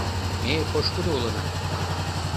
Ме пошкудо улына.